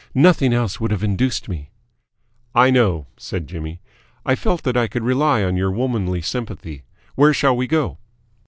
"Nothing else would have induced me ..." "I know," said Jimmy. "I felt that I could rely on your womanly sympathy. Where shall we go?"